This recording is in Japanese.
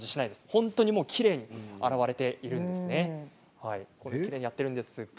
本当にきれいに洗われているんですね。